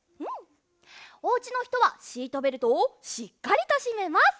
おうちのひとはシートベルトをしっかりとしめます。